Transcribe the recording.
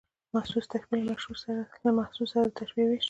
محسوس تشبیه له محسوس سره د تشبېه وېش.